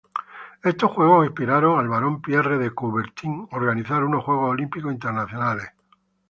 Estos juegos inspiraron al Barón Pierre de Coubertin organizar unos juegos olímpicos internacionales.